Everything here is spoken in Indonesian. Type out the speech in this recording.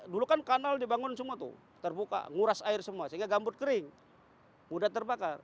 dulu kan kanal dibangun semua tuh terbuka nguras air semua sehingga gambut kering mudah terbakar